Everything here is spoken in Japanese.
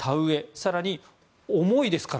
更に、重いですから